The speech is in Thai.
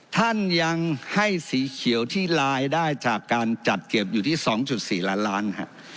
ท่านยังให้สีเขียวที่รายได้จากการจัดเก็บอยู่ที่๒๔ล้านล้านฮะ